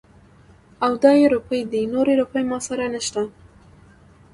او دا يې روپۍ دي. نورې روپۍ له ما سره نشته.